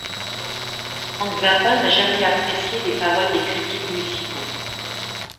Frank Zappa n'a jamais apprécié les paroles des critiques musicaux.